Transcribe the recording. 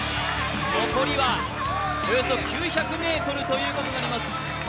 残りはおよそ９００ｍということになります。